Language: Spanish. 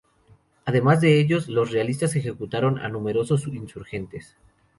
Además de ellos, los realistas ejecutaron a numerosos insurgentes.